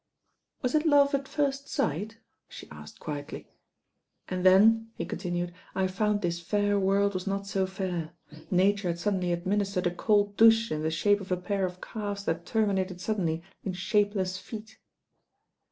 "Was it love at first sight?" she asked quietly. "And then," he continued, "I found this fair world was not so fair. Nature had suddenly ad ministered a cold douche in the shape of a pair of calves that terminated suddenly in shapeless feet."